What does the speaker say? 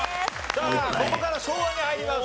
さあここから昭和に入ります。